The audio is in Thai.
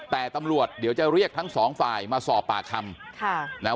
แต่ตำรวจเดี๋ยวจะเรียกทั้งสองฝ่ายมาสอบปากคำค่ะนะฮะ